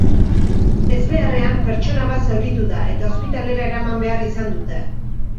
Ezbeharrean pertsona bat zauritu da eta ospitalera eraman behar izan dute.